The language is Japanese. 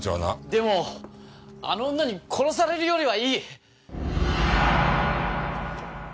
でもあの女に殺されるよりはいい！